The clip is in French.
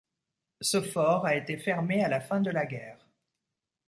Ce fort a été fermé à la fin de la guerre.